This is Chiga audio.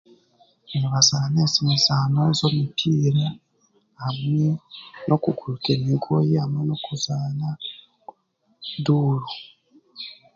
Nibazaana ezo mizaano z'omupiira hamwe n'okuguruka emigoye hamwe n'okuzaana duuru